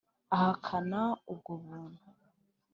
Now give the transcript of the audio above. Ahakana ubwo buntu.